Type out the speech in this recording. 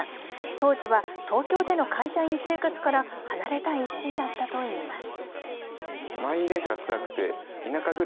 当時は、東京での会社員生活から離れたい一心だったといいます。